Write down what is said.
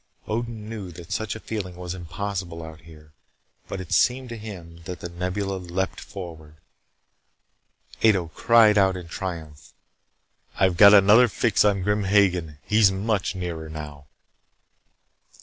Odin knew that such a feeling was impossible out here, but it seemed to him that The Nebula leaped forward. Ato cried out in triumph. "I've got another fix on Grim Hagen. He's much nearer now."